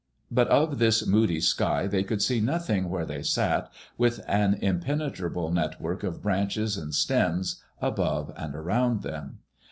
But of this moody sky they could see nothing where they sat, with an impenetrable network of branches and stems above and around them.